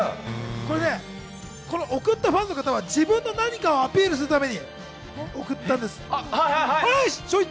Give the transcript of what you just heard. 送ったファンの方は自分の何かをアピールするために送ったんです、はい。